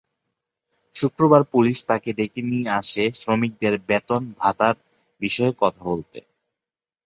শুক্রবার পুলিশ তাঁকে ডেকে নিয়ে আসে শ্রমিকদের বেতন-ভাতার বিষয়ে কথা বলতে।